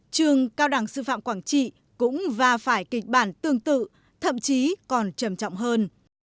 trường cao đẳng sư phạm quảng trị cũng và phải kịch bản tương tự thậm chí còn trầm trọng hơn